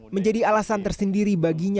menjadi alasan tersendiri baginya